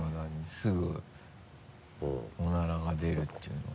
すぐオナラが出るっていうのは。